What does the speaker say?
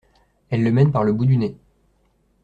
Elle le mène par le bout du nez.